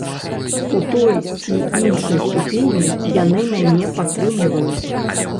У той ці іншай ступені яны мяне падтрымліваюць.